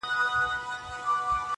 ور څرگنده یې آرزو کړه له اخلاصه -